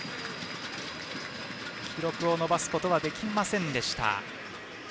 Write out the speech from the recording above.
記録を伸ばすことはできませんでした。